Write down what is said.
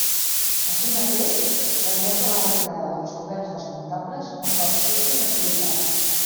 Així mateix, es planteja la retirada dels coberts desmuntables un cop cessi l'activitat.